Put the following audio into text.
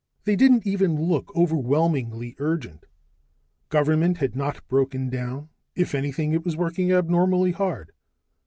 They didn't even look overwhelmingly urgent. Government had not broken down: if anything, it was working abnormally hard.